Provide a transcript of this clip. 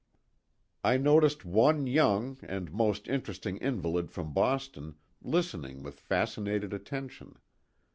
I noticed one young and most interesting 136 THE TWO WILLS. invalid from Boston listening with fascinated attention.